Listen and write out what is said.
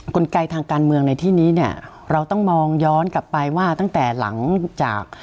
กลไกทางการเมืองในที่นี้เนี่ยเราต้องมองย้อนกลับไปว่าตั้งแต่หลังจาก